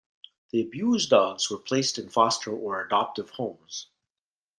The abused dogs were placed in foster or adoptive homes.